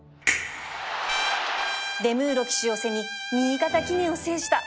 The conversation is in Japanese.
デムーロ騎手を背に新潟記念を制した